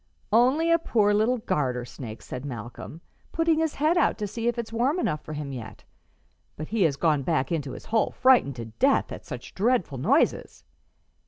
"Only a poor little garter snake," said Malcolm, "putting his head out to see if it's warm enough for him yet. But he has gone back into his hole frightened to death at such dreadful noises.